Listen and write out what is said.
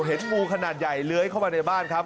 เห็นงูขนาดใหญ่เลื้อยเข้ามาในบ้านครับ